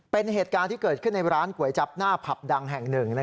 เป็นเหตุการณ์ที่เกิดขึ้นในร้านก๋วยจับหน้าผับดังแห่งหนึ่ง